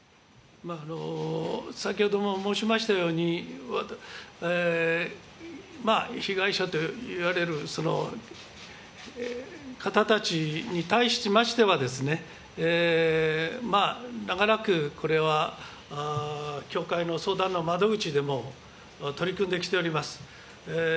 先ほども申しましたように、被害者といわれる方たちに対しましては、長らくこれは教会の相談の窓口でも取り組んできております。